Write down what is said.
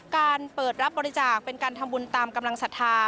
การเปิดรับบริจาคเป็นการทำบุญตามกำลังศรัทธา